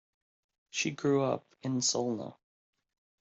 She grew up in Solna.